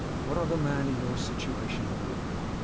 What other man in your situation would?